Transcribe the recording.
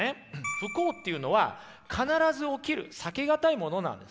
不幸っていうのは必ず起きる避けがたいものなんです。